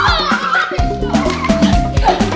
lepas itu dong